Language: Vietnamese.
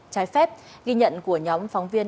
trái phép ghi nhận của nhóm phóng viên